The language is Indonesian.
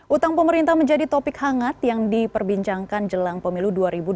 utang pemerintah menjadi topik hangat yang diperbincangkan jelang pemilu dua ribu dua puluh